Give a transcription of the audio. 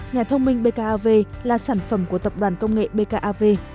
nhà thông minh bkav là sản phẩm của tập đoàn công nghệ bkav